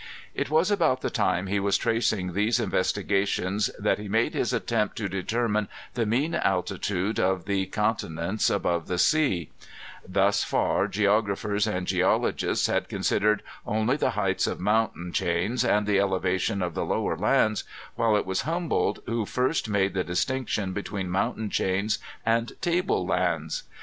It was about the time he was tracing these investigations that he made his attempt to determine the mean altitude of the con tinents above the sea. Thus far geographers and geologists had Digitized by Google Prof. Agastixs Eulogy on Humboldt. 10* considered only the heights of mountain chains, and the eleva tion of the lower lands, while it was Humboldt who first made the distinction between mountain chains and table lands.